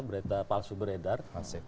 berita palsu beredar